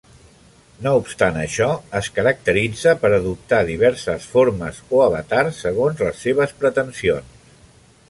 No obstant això, es caracteritza per adoptar diverses formes o avatars segons les seves pretensions.